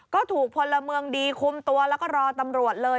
ก็ถูกพลเมืองดีคุมตัวแล้วก็รอตำรวจเลย